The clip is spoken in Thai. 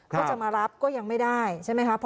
ก็จะมารับก็ยังไม่ได้ใช่ไหมคะ